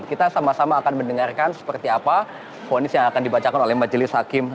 kita sama sama akan mendengarkan seperti apa ponis yang akan dibacakan oleh majelis hakim